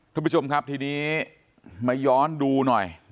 ทุกผู้ชมครับทีนี้มาย้อนดูหน่อย